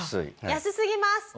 安すぎます。